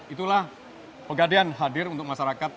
itulah pegadean hadir untuk masyarakat